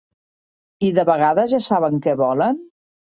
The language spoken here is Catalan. I de vegades ja saben què volen?